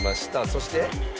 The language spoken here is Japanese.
そして。